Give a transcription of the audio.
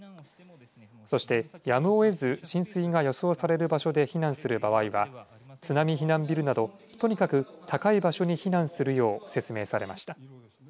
そして、やむをえず浸水が予想される場所で避難する場合は津波避難ビルなどとにかく高い場所に避難するよう説明されました。